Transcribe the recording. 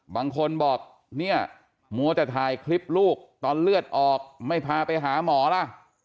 บางคนบอกเนี่ยมัวแต่ถ่ายคลิปลูกตอนเลือดออกไม่พาไปหาหมอล่ะ